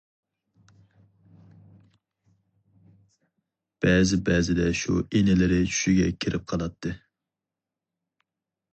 بەزى-بەزىدە شۇ ئىنىلىرى چۈشىگە كىرىپ قالاتتى.